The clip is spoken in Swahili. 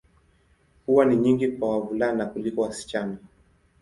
Huwa ni nyingi kwa wavulana kuliko wasichana.